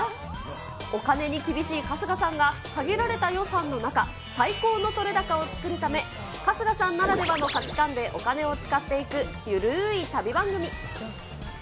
お金に厳しい春日さんが、限られた予算の中、最高の撮れ高を作るため、春日さんならではの価値観でお金を使っていく、ゆるーい旅番組。